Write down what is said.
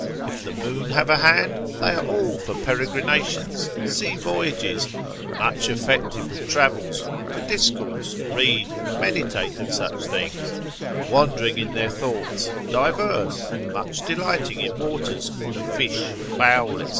If the moon have a hand, they are all for peregrinations, sea voyages, much affected with travels, to discourse, read, meditate of such things; wandering in their thoughts, diverse, much delighting in waters, to fish, fowl, &c.